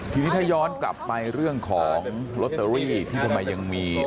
ทีนี้ถ้าย้อนกลับไปเรื่องของลอตเตอรี่ที่ทำไมยังมี